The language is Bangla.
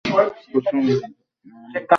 কুকুরটার নাম লেখাও এখন।